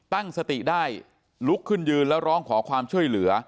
ตั้งสติได้ลุกขึ้นยืนแล้วร้องขอความช่วยเหลือ